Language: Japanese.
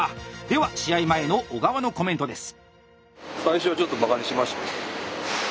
では試合前の小川のコメントです。